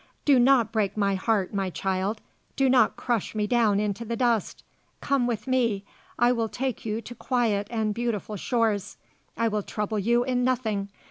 Do not break my heart, my child. Do not crush me down into the dust. Come with me. I will take you to quiet and beautiful shores. I will trouble you in nothing.